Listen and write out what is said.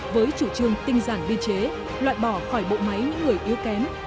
với chủ trương tinh giản biên chế loại bỏ khỏi bộ máy những người yếu kém